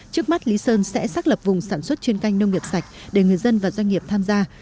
trước mắt lý sơn sẽ xác lập vùng sản xuất chuyên canh nông nghiệp sạch để người dân và doanh nghiệp tham gia